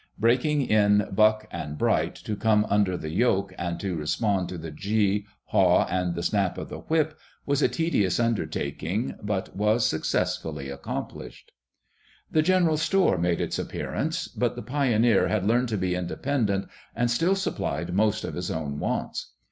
Breaking in "Buck and Bright" to come under the yoke and to respond to the "gee", "haw", and the snap of the whip was a tedious undertaking, but was successfully accomplished. The general store made its appearance, but the pioneer had learned to be independent and still supplied most of his own wants.